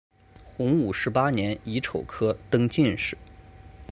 洪武十八年乙丑科登进士。